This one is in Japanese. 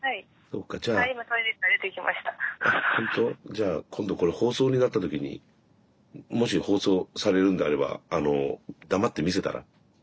じゃあ今度これ放送になった時にもし放送されるんであれば黙って見せたら？